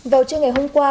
vào chiều ngày hôm qua